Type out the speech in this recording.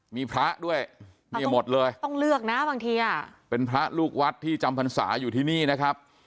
มีพระด้วยเนี่ยหมดเลยต้องเลือกนะบางทีอ่ะเป็นพระลูกวัดที่จำพรรษาอยู่ที่นี่นะครับ